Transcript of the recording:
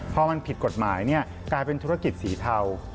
พอมันผิดกฎหมายกลายเป็นธุรกิจสีเทา